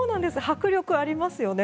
迫力ありますよね。